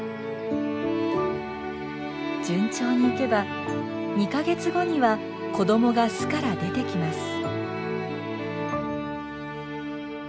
順調にいけば２か月後には子どもが巣から出てきます。